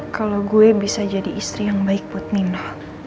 kalau gue bisa jadi istri yang baik buat mino